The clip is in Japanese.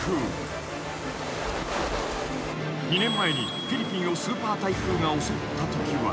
［２年前にフィリピンをスーパー台風が襲ったときは］